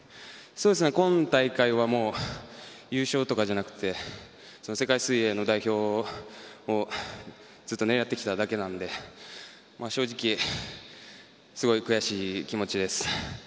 今大会は優勝とかじゃなくて世界水泳の代表をずっと狙ってきただけなんで正直、すごい悔しい気持ちです。